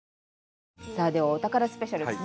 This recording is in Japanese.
さあではお宝スペシャル。